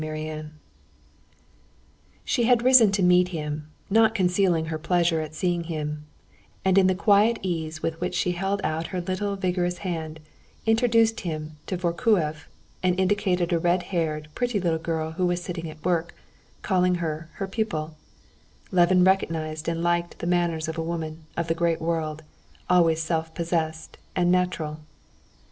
Chapter 10 She had risen to meet him, not concealing her pleasure at seeing him; and in the quiet ease with which she held out her little vigorous hand, introduced him to Vorkuev and indicated a red haired, pretty little girl who was sitting at work, calling her her pupil, Levin recognized and liked the manners of a woman of the great world, always self possessed and natural.